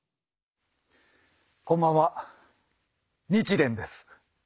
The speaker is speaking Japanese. こんばんは日蓮です。